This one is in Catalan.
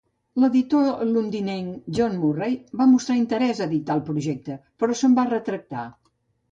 L'editor londinenc John Murray va mostrar interès a editar el projecte, però se'n va retractar.